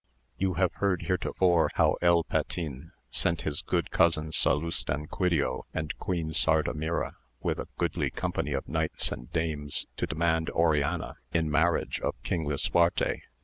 You have heard heretofore how El Patin sent his cousin Salustanquidio and Queen Sardamira with a goodly company of knights and dames to demand Oriana in marriage of King Lisuarte.